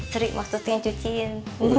sri mas tutu ngancuciin